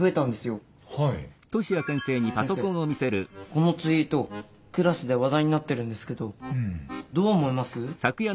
このツイートクラスで話題になってるんですけどどう思います？